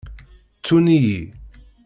Ttun-iyi.